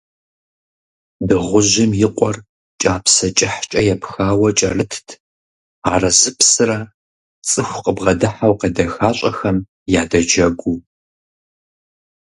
Дыгъужьым и къуэр кӀапсэ кӀыхькӀэ епхауэ кӀэрытт, арэзыпсрэ цӀыху къыбгъэдыхьэу къедэхащӀэхэм ядэджэгуу.